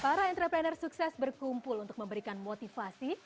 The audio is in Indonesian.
para entrepreneur sukses berkumpul untuk memberikan motivasi